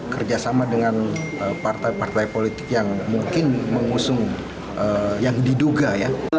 kerjasama dengan partai partai politik yang mungkin mengusung yang diduga ya